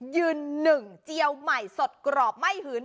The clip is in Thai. ยืนหนึ่งเจียวใหม่สดกรอบไม่หืน